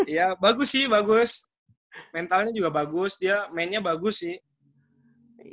ya bagus sih bagus mentalnya juga bagus dia mainnya bagus sih